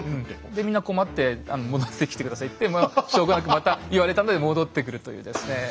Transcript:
でみんな困って戻ってきて下さいってまあしょうがなくまた言われたんで戻ってくるというですね。